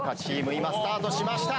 今スタートしました。